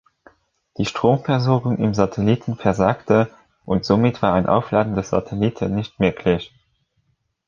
Die Stromversorgung im Satelliten versagte, und somit war ein Aufladen des Satelliten nicht möglich.